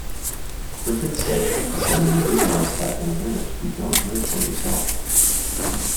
Richard said: I suddenly realised that in a marriage you don't live for yourself.